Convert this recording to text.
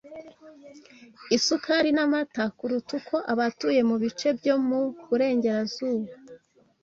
isukari, n’amata, kuruta uko abatuye mu bice byo mu Burengerazuba